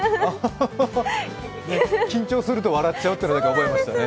緊張すると笑っちゃうというのだけ覚えましたね。